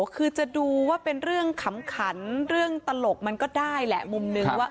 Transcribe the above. คือจะดูว่าเป็นเรื่องขำขันเรื่องตลกมันก็ได้แหละมุมนึงว่า